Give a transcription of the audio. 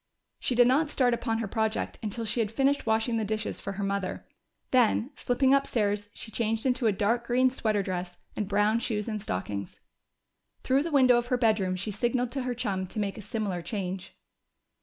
She did not start upon her project until she had finished washing the dishes for her mother. Then, slipping upstairs, she changed into a dark green sweater dress and brown shoes and stockings. Through the window of her bedroom she signaled to her chum to make a similar change.